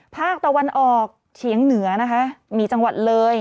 ภาคตะวันออกเฉียงเหนือนะคะมีจังหวัดเลย